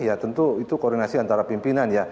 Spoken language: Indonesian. ya tentu itu koordinasi antara pimpinan ya